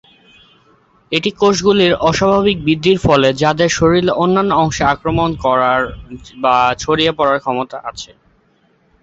এটি কোষ গুলির অস্বাভাবিক বৃদ্ধির ফল যাদের শরীরের অন্যান্য অংশে আক্রমণ করার বা ছড়িয়ে পড়ার ক্ষমতা আছে।